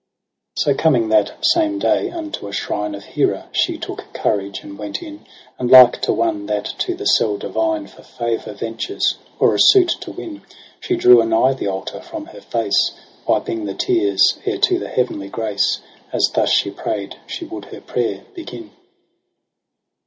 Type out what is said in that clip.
So coming that same day unto a shrine Of Hera, she took courage and went in : And like to one that to the cell divine For favour ventures or a suit to win. She drew anigh the altar, from her face Wiping the tears, ere to the heavenly grace. As thus she pray'd, she would her prayer begin.